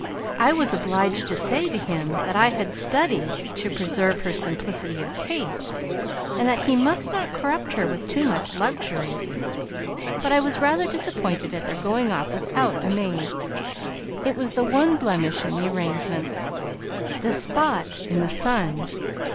I was obliged to say to him that I had studied to preserve her simplicity of taste, and that he must not corrupt her with too much luxury. But I was rather disappointed at their going off without a maid. It was the one blemish in the arrangements the spot in the sun.